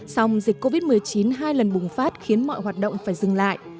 song dịch covid một mươi chín hai lần bùng phát khiến mọi hoạt động phải dừng lại